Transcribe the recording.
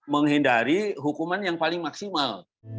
menghindari hukuman yang paling maksimal